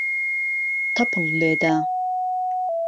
تەپڵ لێدە.